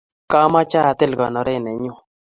kamoche atil konore nenyu.